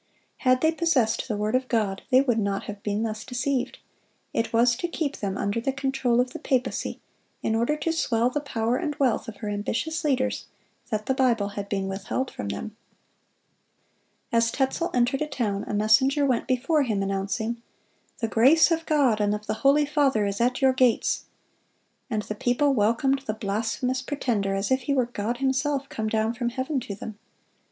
Had they possessed the word of God, they would not have been thus deceived. It was to keep them under the control of the papacy, in order to swell the power and wealth of her ambitious leaders, that the Bible had been withheld from them.(169) As Tetzel entered a town, a messenger went before him, announcing, "The grace of God and of the holy father is at your gates."(170) And the people welcomed the blasphemous pretender as if he were God Himself come down from heaven to them.